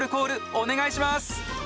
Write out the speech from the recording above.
お願いします！